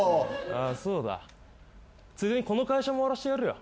そうだついでにこの会社も終わらしてやるよ。